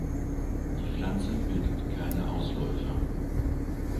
Die Pflanze bildet keine Ausläufer.